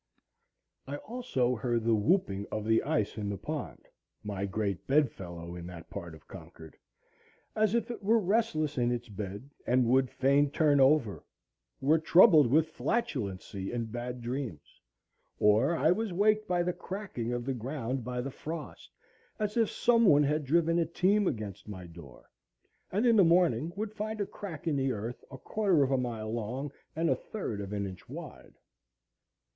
I also heard the whooping of the ice in the pond, my great bed fellow in that part of Concord, as if it were restless in its bed and would fain turn over, were troubled with flatulency and had dreams; or I was waked by the cracking of the ground by the frost, as if some one had driven a team against my door, and in the morning would find a crack in the earth a quarter of a mile long and a third of an inch wide.